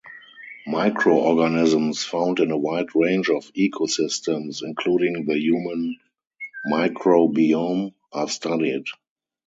Microorganisms found in a wide range of ecosystems, including the human microbiome, are studied.